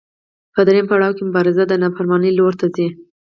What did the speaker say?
په درېیم پړاو کې مبارزه د نافرمانۍ لور ته ځي.